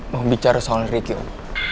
mau bicara soal riki om